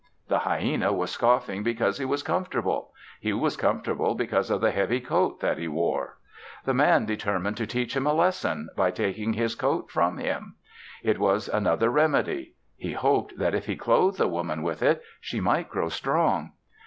The hyena was scoffing because he was comfortable; he was comfortable because of the heavy coat that he wore. The Man determined to teach him a lesson by taking his coat from him. It was another remedy; he hoped that if he clothed the Woman with it, she might grow strong.